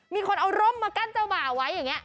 มีคนเอาร่มมากั้นเจ้าบ่าไว้อย่างนี้